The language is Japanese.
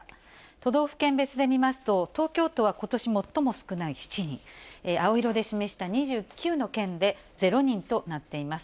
都道府県別で見ますと、東京都はことし最も少ない７人、青色で示した２９の県で０人となっています。